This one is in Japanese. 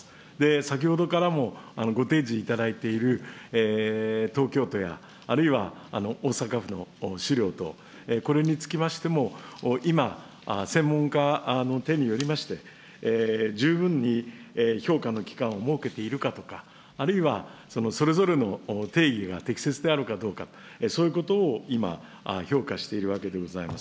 先ほどからもご提示いただいている東京都やあるいは大阪府の資料等、これにつきましても今、専門家の手によりまして、十分に評価の期間を設けているかとか、あるいはそれぞれの定義が適切であるかどうか、そういうことを今、評価しているわけでございます。